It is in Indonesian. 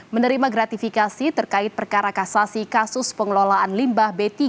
menerima gratifikasi terkait perkara kasasi kasus pengelolaan limbah b tiga